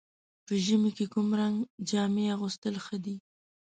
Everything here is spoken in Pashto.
په ژمي کې کوم رنګ جامې اغوستل ښه دي؟